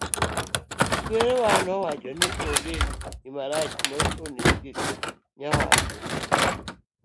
kwarewa nowacho ni onge gimarach ma onge gi nyawadgi